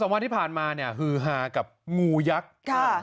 วันที่ผ่านมาเนี่ยฮือฮากับงูยักษ์